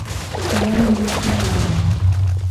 Jendearen ilusioa nabari da.